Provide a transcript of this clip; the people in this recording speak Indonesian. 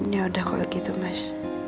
yaudah kalau gitu mas